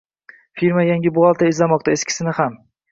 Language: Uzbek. Firma yangi buxgalter izlamoqda! Eskisini ham!